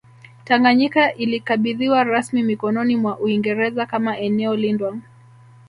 Tanganyika ilikabidhiwa rasmi mikononi mwa Uingereza kama eneo lindwa